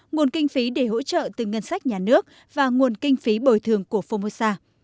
nguồn kinh phí để hỗ trợ từ ngân sách nhà nước và nguồn kinh phí bồi thường của phô mô sa